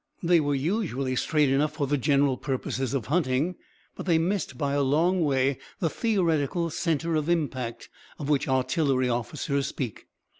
They were usually straight enough for the general purposes of hunting, but they missed by a long way the "theoretical centre of impact" of which artillery officers speak.